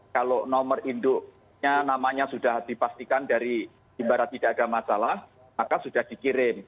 kalau nomor induknya namanya sudah dipastikan dari imbarat tidak ada masalah maka sudah dikirim